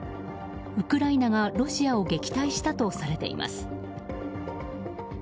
ウクライナがロシアを撃退したとされています。